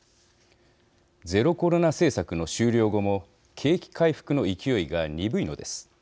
ゼロコロナ政策の終了後も景気回復の勢いが鈍いのです。